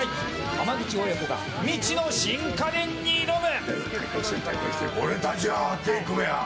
浜口親子が未知の新家電に挑む！